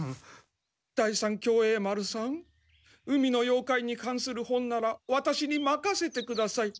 第三協栄丸さん「海の妖怪」に関する本ならワタシに任せてください。